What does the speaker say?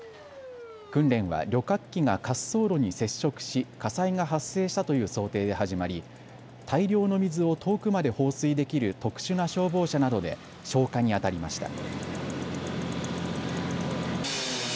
訓練は旅客機が滑走路に接触し火災が発生したという想定で始まり、大量の水を遠くまで放水できる特殊な消防車などで消火にあたりました。